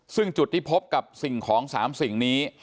ซึ่งจุดที่พบกับสิ่งของ๓สิ่งนี้